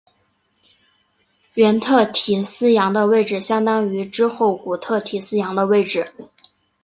原特提斯洋的位置相当于之后古特提斯洋的位置。